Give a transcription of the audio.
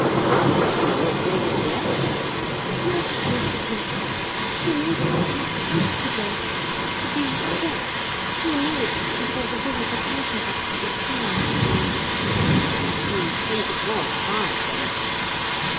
"Has he not made it yet?" "Yes, Mr. Cleek. He made it six weeks ago to be exact, two nights before the Villa de Carjorac was fired." "You think it was fired, then?"